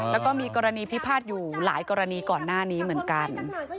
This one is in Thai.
แล้วก็มีกรณีพิพาทอยู่หลายกรณีก่อนหน้านี้เหมือนกัน